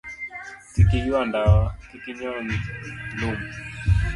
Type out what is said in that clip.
Kik Iyua Ndawa, Kik Inyon Lum